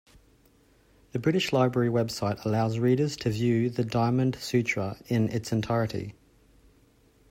The British Library website allows readers to view the Diamond Sutra in its entirety.